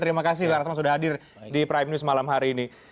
terima kasih bang rasman sudah hadir di prime news malam hari ini